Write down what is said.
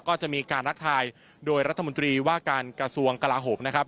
ก็จะมีการทักทายโดยรัฐมนตรีว่าการกระทรวงกลาโหมนะครับ